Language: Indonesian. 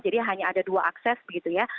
jadi hanya ada dua akses begitu ya